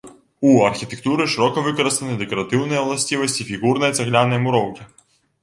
У архітэктуры шырока выкарыстаны дэкаратыўныя ўласцівасці фігурнай цаглянай муроўкі.